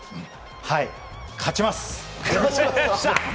はい、勝ちます！